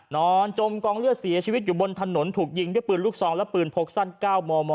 นอนจมกองเลือดเสียชีวิตอยู่บนถนนถูกยิงด้วยปืนลูกซองและปืนพกสั้น๙มม